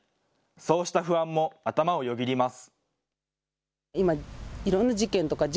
そうした不安も頭をよぎります。